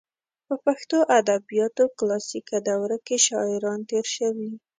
په پښتو ادبیاتو کلاسیکه دوره کې شاعران تېر شوي.